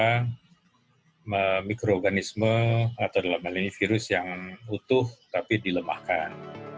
karena mikroorganisme atau dalam hal ini virus yang utuh tapi dilemahkan